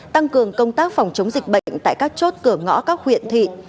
tăng cường công tác phòng chống dịch bệnh tại các chốt cửa ngõ các huyện thị